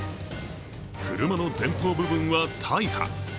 車の前方部分は大破。